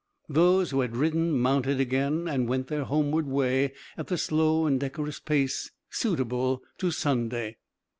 Those who had ridden mounted again, and went their homeward way at the slow and decorous pace suitable to Sunday.